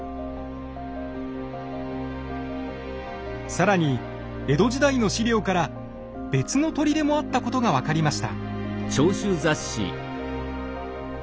更に江戸時代の史料から別の砦もあったことが分かりました。